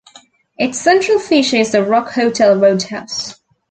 Its central feature is the Rock Hotel roadhouse.